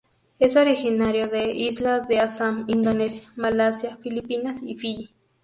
Es originario de islas de Assam, Indonesia, Malasia, Filipinas y Fiyi.